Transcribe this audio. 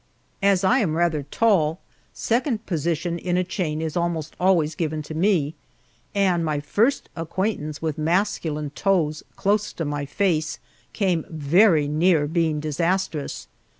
As I am rather tall, second position in a chain is almost always given to me, and my first acquaintance with masculine toes close to my face came very near being disastrous.